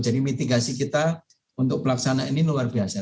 jadi mitigasi kita untuk pelaksanaan ini luar biasa